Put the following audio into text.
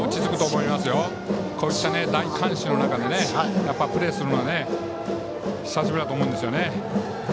こういった大観衆の中でプレーするのは久しぶりだと思うんですよね。